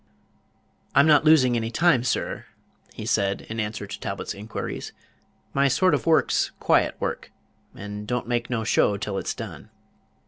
"I'm not losing any time, sir," he said, in answer to Talbot's inquiries; "my sort of work's quiet work, and don't make no show till it's done.